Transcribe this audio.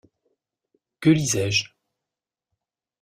Que lisais-je?... »